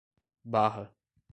Barra